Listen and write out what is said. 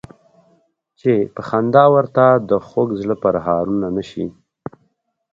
چې په خندا ورته د خوږ زړه پرهارونه نه شي.